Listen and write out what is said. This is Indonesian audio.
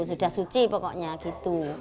sudah suci pokoknya gitu